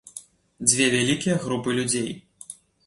Дзве вялікія групы людзей.